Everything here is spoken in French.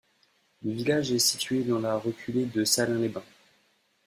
Le village est situé dans la reculée de Salins-les-Bains.